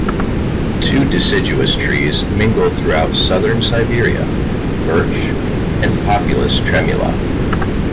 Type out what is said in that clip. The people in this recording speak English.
Two deciduous trees mingle throughout southern Siberia: birch and Populus tremula.